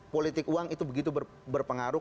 politik uang itu begitu berpengaruh